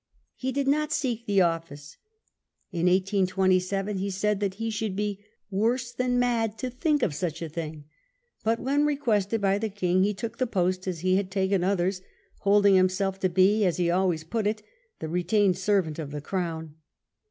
He did not seek the office. In 1827 he said that he should be "worse than mad to think of such a thing ;" but when requested by the King he took the post as he had taken others, holding himself to be, as he always put it, " the retained servant of the Crown."